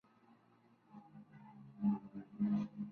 Su apariencia se basa en la que tienen en la saga.